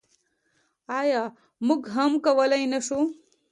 آیا او موږ هم کولی نشو؟